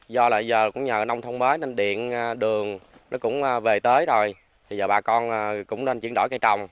do lại giờ cũng nhờ nông thôn mới nên điện đường nó cũng về tới rồi thì giờ bà con cũng nên chuyển đổi cây trồng